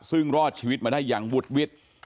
ซึ่งรอดชีวิตมาได้อย่างวุดวิด